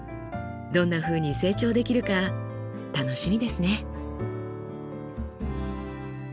どんなふうに成長できるか楽しみですね。